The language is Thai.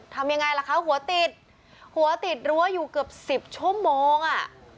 ทำยังไงล่ะคะหัวติดหัวติดรั้วอยู่เกือบสิบชั่วโมงอ่ะ